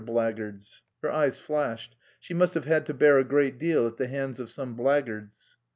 blackguards!" Her eyes flashed. She must have had to bear a great deal at the hands of some "blackguards."